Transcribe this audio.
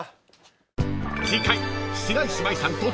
［次回］